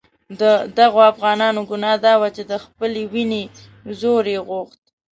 د دغو افغانانو ګناه دا وه چې د خپلې وینې زور یې غوښت.